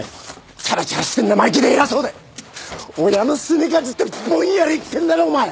ちゃらちゃらして生意気で偉そうで親のすねかじってぼんやり生きてんだろお前！